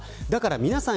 皆さん